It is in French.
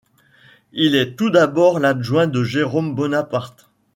Il est tout d'abord l'adjoint de Jérôme Bonaparte.